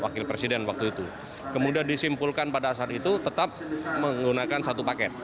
wakil presiden waktu itu kemudian disimpulkan pada saat itu tetap menggunakan satu paket